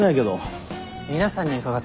皆さんに伺ってるんで。